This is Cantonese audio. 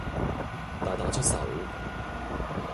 大打出手